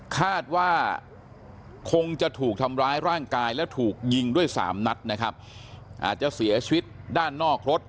คาดว่าคงจะถูกทำร้ายร่างกายแล้วถูกยิงด้วยสามนัดนะครับอาจจะเสียชีวิตด้านนอกรถ